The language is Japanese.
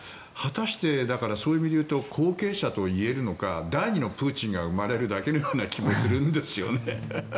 果たしてだからそういう意味で言うと後継者といえるのか第２のプーチンが生まれるだけのような気もするんですよね。